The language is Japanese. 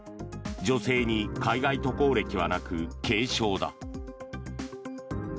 女性に海外渡航歴はなく軽症だ。